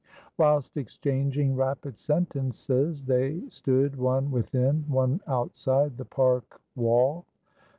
Whilst exchanging rapid sentences, they stood, one within, one outside, the park wall.